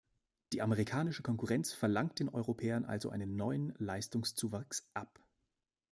Die amerikanische Konkurrenz verlangt den Europäern also einen neuen Leistungszuwachs ab.